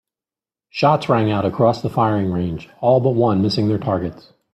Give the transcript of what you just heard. Shots rang out across the firing range, all but one missing their targets.